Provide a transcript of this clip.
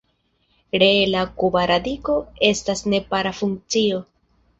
Reela kuba radiko estas nepara funkcio.